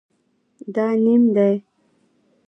دا نیم دی